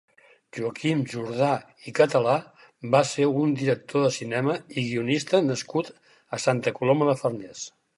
Joaquim Jordà i Català va ser un director de cinema i guionista nascut a Santa Coloma de Farners.